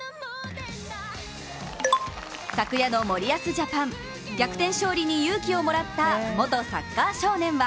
昨夜の森保ジャパン逆転勝利に勇気をもらった元サッカー少年は